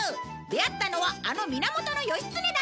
出会ったのはあの源義経だった